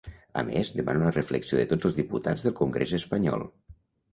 A més, demana una reflexió de tots els diputats del congrés espanyol.